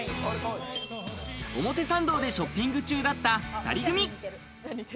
表参道でショッピング中だった２人組。